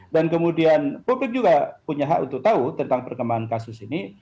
dan publik juga punya hak untuk tahu tentang perkembangan kasus ini